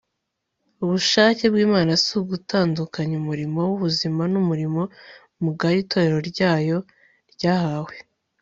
ubushake bw'imana si ugutandukanya umurimo w'ubuzima n'umurimo mugari itorero ryayo ryahawe